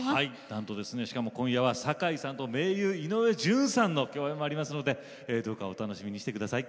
なんと、しかも今夜は堺さんの盟友、井上順さんの共演もありますのでどうかお楽しみにしてください。